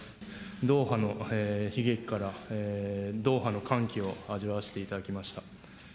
ドーハの悲劇から、ドーハの歓喜を味わわせていただきました。